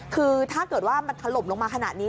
คือถ้าเกิดว่ามันถล่มลงมาขนาดนี้